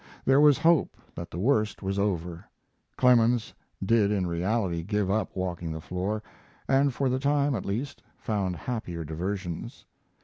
There was hope that the worst was over. Clemens did in reality give up walking the floor, and for the time, at least, found happier diversions.